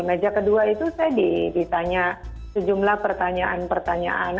meja kedua itu saya ditanya sejumlah pertanyaan pertanyaan